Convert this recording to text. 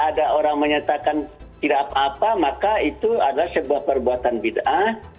kalau orang menyatakan tidak apa apa maka itu adalah sebuah perbuatan bid'ah